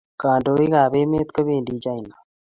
kandoit ab emet kobendi china